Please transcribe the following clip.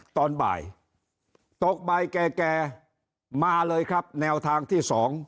ตอนบ่ายตกบ่ายแก่มาเลยครับแนวทางที่๒